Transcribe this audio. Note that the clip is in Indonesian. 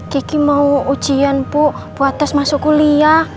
kiki mau ujian bu buat tes masuk kuliah